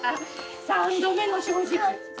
三度目の正直。